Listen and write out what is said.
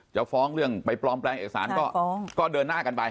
จะฟ้องเรื่องไปปลอมแปลงเอกสารก็เดินหน้ากันไป